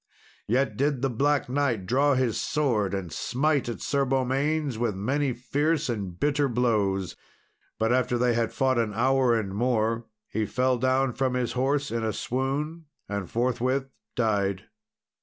Yet did the Black Knight draw his sword, and smite at Sir Beaumains with many fierce and bitter blows; but after they had fought an hour and more, he fell down from his horse in a swoon, and forthwith died.